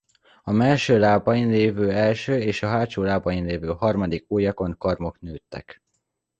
A mellső lábain levő első és a hátsó lábain levő harmadik ujjakon karmok nőttek.